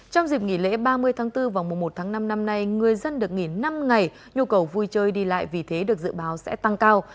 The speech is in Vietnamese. trong dịp nghỉ lễ ba mươi tháng bốn vào mùa một tháng năm năm nay người dân được nghỉ năm ngày nhu cầu vui chơi đi lại vì thế được dự báo sẽ tăng cao